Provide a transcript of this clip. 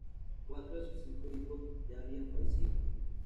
Cuatro de sus cinco hijos ya habían fallecido.